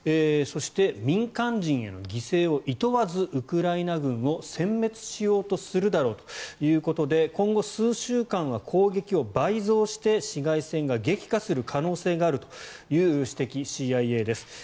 そして民間人への犠牲をいとわずウクライナ軍をせん滅しようとするだろうということで今後数週間は攻撃を倍増して市街戦が激化する可能性があるという指摘ＣＩＡです。